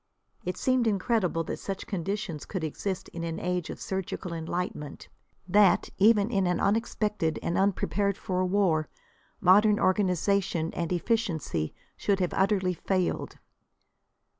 It seemed incredible that such conditions could exist in an age of surgical enlightenment; that, even in an unexpected and unprepared for war, modern organisation and efficiency should have utterly failed.